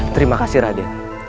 terima kasih raten